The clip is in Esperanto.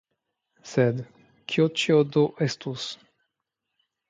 Sed kio tio do estus?